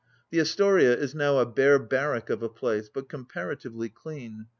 The Astoria is now a bare barrack of a place, but comparatively clean.